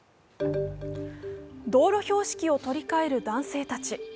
道路標識を取り替える男性たち。